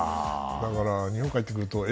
だから日本に帰ってくると。